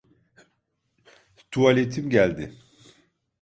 Tuvaletim geldi.